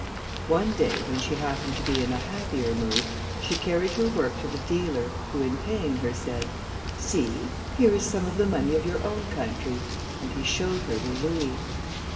One day when she happened to be in a happier mood, she carried her work to the dealer, who, in paying her, said, "See! here is some of the money of your own country." And he showed her the louis.